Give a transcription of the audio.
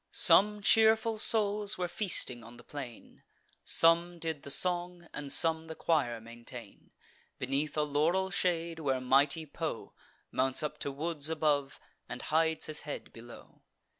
Some cheerful souls were feasting on the plain; Some did the song, and some the choir maintain, Beneath a laurel shade, where mighty Po Mounts up to woods above, and hides his head below.